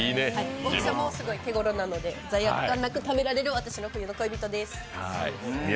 大きさもすごい手ごろなので罪悪感なく食べられる私の冬の恋人です。